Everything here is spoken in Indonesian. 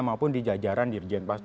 maupun di jajaran dirjen pas